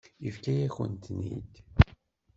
Yefka-yakent-ten-id.